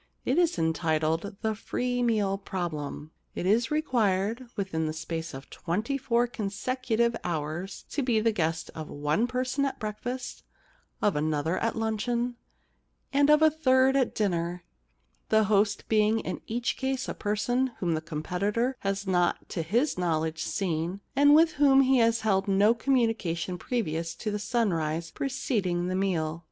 It is entitled The Free Meal Problem." It is required within the space of twenty four consecutive hours to be the guest of one person at break fast, of another at luncheon, and of a third at dinner, the host being in each case a person 40 The Kiss Problem whom the competitor has not to his knowledge seen, and with whom he has held no communi cation previous to the sunrise preceding the meal.